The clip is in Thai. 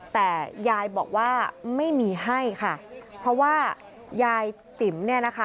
แต่ยายบอกว่าไม่มีให้ค่ะเพราะว่ายายติ๋มเนี่ยนะคะ